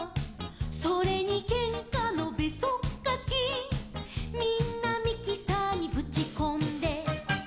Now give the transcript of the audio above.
「それにけんかのべそっかき」「みんなミキサーにぶちこんで」